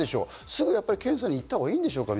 すぐ検査に行ったほうがいいんでしょうか？